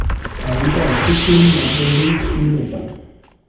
Habita en Sikkim, Darjeeling y Nepal.